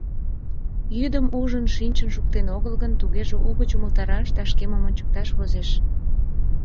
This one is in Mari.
Йӱдым ужын-шижын шуктен огыл гын, тугеже угыч умылтараш да шкемым ончыкташ возеш.